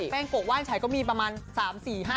แป้งโกะว่านฉัยก็มีประมาณ๓๔๕๖คน